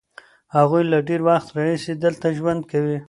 هغوی له ډېر وخت راهیسې دلته ژوند کوي.